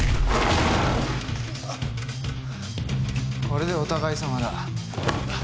これでお互いさまだ。